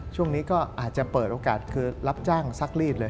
ช่วงนี้ก็อาจจะเปิดโอกาสคือรับจ้างซักรีดเลย